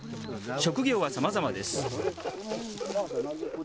職業はさまざまです。